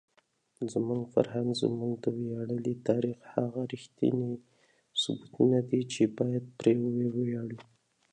زموږ فرهنګ زموږ د ویاړلي تاریخ هغه ریښتونی ثبوت دی چې باید پرې وویاړو.